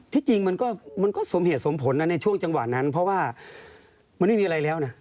ที่จริงมันก็สมเหตุสมผลนะในช่วงจังหวะนั้นเพราะว่ามันไม่มีอะไรแล้วนะ